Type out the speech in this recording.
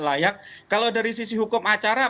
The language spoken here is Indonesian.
layak kalau dari sisi hukum acara